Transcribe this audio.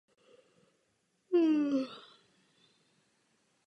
Věže jsou známy jako jeden ze symbolů města.